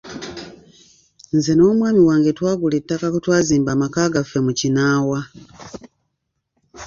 Nze n’omwami wange twagula ettaka kwe twazimba amaka gaffe mu Kinaawa.